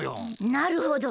なるほど。